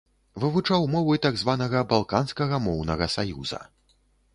Вывучаў мовы так званага балканскага моўнага саюза.